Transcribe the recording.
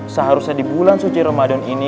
seharusnya di bulan suci ramadan ini